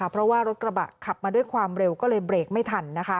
เพราะว่ารถกระบะขับมาด้วยความเร็วก็เลยเบรกไม่ทัน